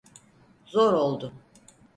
Zor oldu.